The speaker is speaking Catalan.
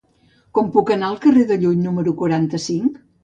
Com puc anar al carrer de Llull número quaranta-cinc?